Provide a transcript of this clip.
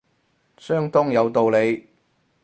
相當有道理